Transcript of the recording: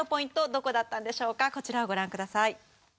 どこだったんでしょうかこちらをご覧ください